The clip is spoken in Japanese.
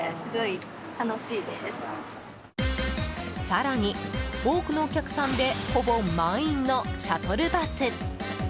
更に、多くのお客さんでほぼ満員のシャトルバス。